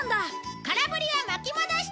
「空ぶりは巻きもどして」